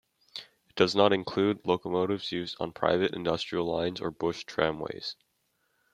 It does not include locomotives used on private industrial lines or bush tramways.